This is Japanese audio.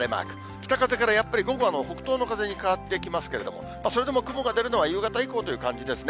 北風からやっぱり午後は北東の風に変わってきますけれども、それでも雲が出るのは夕方以降という感じですね。